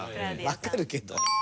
わかるけど。